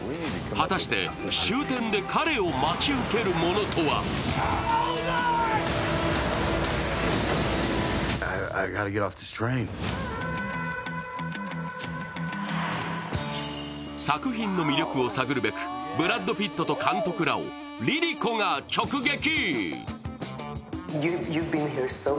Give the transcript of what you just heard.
果たして終点で彼を待ち受けるものとは作品の魅力を探るべく、ブラッド・ピットと監督らをＬｉＬｉＣｏが直撃。